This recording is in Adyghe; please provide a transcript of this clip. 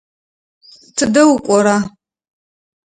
Тыдэ укӏора?